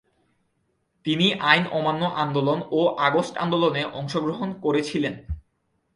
তিনি আইন অমান্য আন্দোলন ও আগস্ট আন্দোলনে অংশগ্রহণ করেছিলেন।